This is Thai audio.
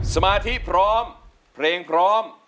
สมาธิพร้อมเพลงพร้อม